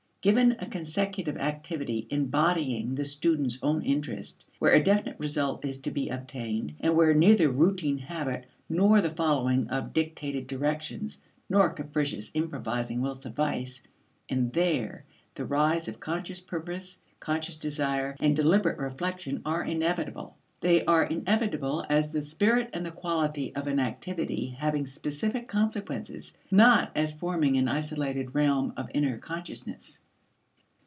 Given a consecutive activity embodying the student's own interest, where a definite result is to be obtained, and where neither routine habit nor the following of dictated directions nor capricious improvising will suffice, and there the rise of conscious purpose, conscious desire, and deliberate reflection are inevitable. They are inevitable as the spirit and quality of an activity having specific consequences, not as forming an isolated realm of inner consciousness.